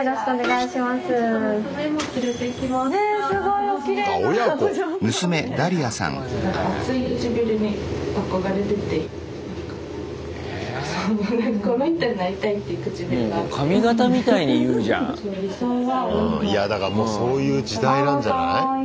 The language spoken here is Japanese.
いやだからもうそういう時代なんじゃない？